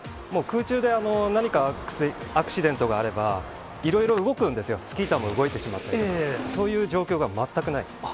もう空中で何かアクシデントがあれば、いろいろ動くんですよ、スキー板も動いてしまって、そういう状況が全くない。